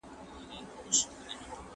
په ولایتونو کي د کتابونو چاپولو مطبعې نه وي.